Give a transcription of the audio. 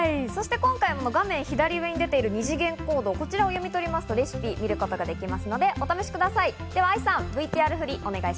今回も画面左上に出ている二次元コード、こちらを読み取ると、分量などが詳しく書かれたレシピを見ることができますのでお試しください。